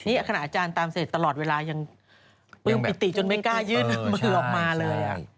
นี่ขณะอาจารย์ตามเสร็จตลอดเวลายังปลื้มปิติจนไม่กล้ายื่นมือออกมาเลย